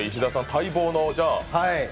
待望の。